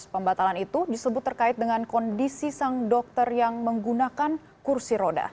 pembatalan itu disebut terkait dengan kondisi sang dokter yang menggunakan kursi roda